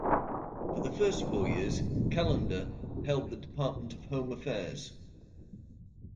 For the first four years, Calonder held the Department of Home Affairs.